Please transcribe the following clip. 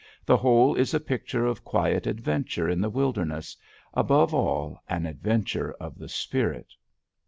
The whole is a picture of quiet adventure in the wilderness, above all an adventure of the spirit.